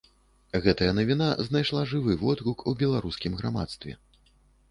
Гэтая навіна знайшла жывы водгук у беларускім грамадстве.